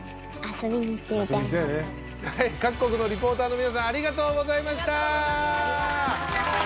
各国のリポーターの皆さんありがとうございました！